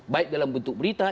baik dalam bentuk berita